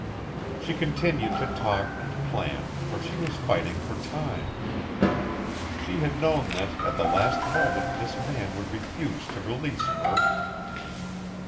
She continued to talk and plan, for she was fighting for time. She had known that, at the last moment, this man would refuse to release Murk.